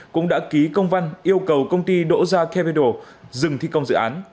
cũng đã ký công văn yêu cầu công ty doja capital dừng thi công dự án